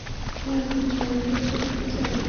তোমার পিঠে আরও চড়তে চাই।